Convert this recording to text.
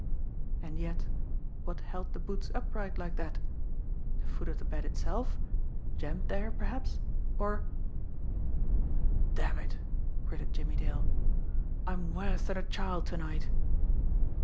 And yet what held the boots upright like that? The foot of the bed itself? Jammed there, perhaps? Or "Damn it!" gritted Jimmie Dale. "I'm worse than a child to night!"